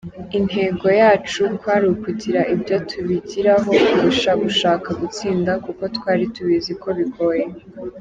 Intego yacu kwari ukugira ibyo tubigiraho kurusha gushaka gutsinda kuko twari tubizi ko bigoye.